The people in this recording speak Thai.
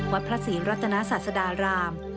วัดพระศรีรัตนาศาสดาราม